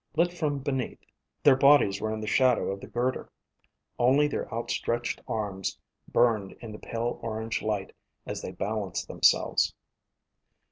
Lit from beneath, their bodies were in the shadow of the girder. Only their outstretched arms burned in the pale orange light as they balanced themselves.